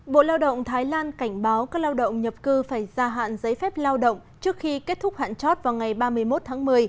bộ lao động thái lan cảnh báo các lao động nhập cư phải gia hạn giấy phép lao động trước khi kết thúc hạn chót vào ngày ba mươi một tháng một mươi